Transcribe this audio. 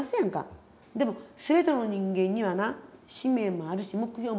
でも全ての人間にはな使命もあるし目標もある。